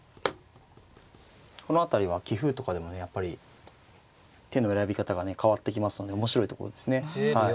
この辺りは棋風とかでもねやっぱり手の選び方がね変わってきますので面白いところですね。